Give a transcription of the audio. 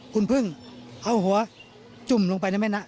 คุณพึ่งเอาหัวจุ่มลงไปในแม่น้ำ